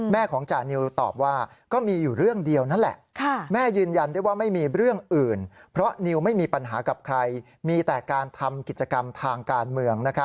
แม่ของจางนิวตอบว่าก็มีอยู่เรื่องเดียวนั่นแหละ